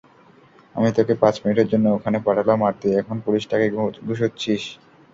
আমি তোকে পাঁচ মিনিটের জন্য ওখানে পাঠালাম আর তুই এখন পুলিশটাকে ঘুষোচ্ছিস?